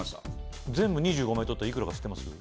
全部２５枚取ったらいくらか知ってます？